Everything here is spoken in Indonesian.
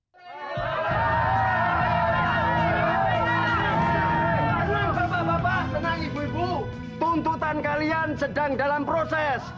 karena bapak bapak senang ibu ibu tuntutan kalian sedang dalam proses